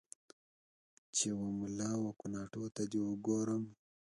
چې و مـــلا و کوناټیــــو ته دې ګورم